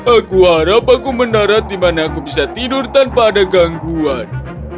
aku harap aku mendarat di mana aku bisa tidur tanpa ada gangguan